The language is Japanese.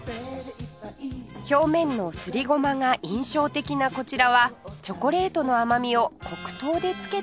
表面のすりゴマが印象的なこちらはチョコレートの甘みを黒糖でつけたひと品